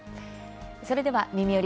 それでは「みみより！